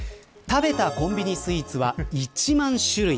食べたコンビニスイーツは１万種類。